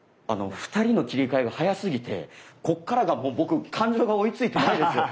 ２人の切り替えが早すぎてこっからがもう僕感情が追いついてないです。